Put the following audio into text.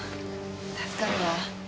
助かるわ。